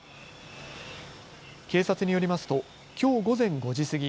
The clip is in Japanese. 警察によりますときょう午前５時過ぎ